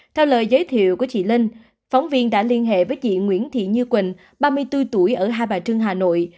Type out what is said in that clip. theo lời giới thiệu của chị linh phóng viên đã liên hệ với chị nguyễn thị như quỳnh ba mươi bốn tuổi ở hai bà trưng hà nội